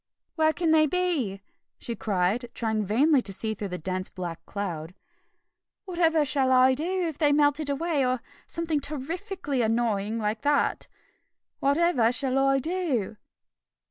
"Where can they be?" she cried, trying vainly to see through the dense black cloud. "Whatever shall I do if they have melted away, or something terrifikly annoying like that? Whatever shall I do?"